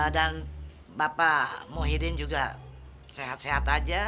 dan bapak muhyiddin juga sehat sehat aja